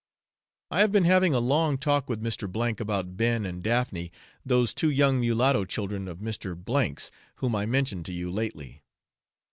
I have been having a long talk with Mr. about Ben and Daphne, those two young mulatto children of Mr. K 's, whom I mentioned to you lately.